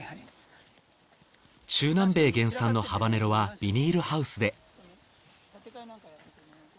中南米原産のハバネロはビニールハウスで。